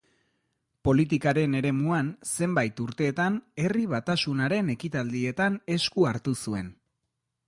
Politikaren eremuan zenbait urtetan Herri Batasunaren ekitaldietan esku hartu zuen.